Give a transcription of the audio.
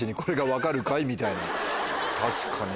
確かに。